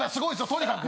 とにかく。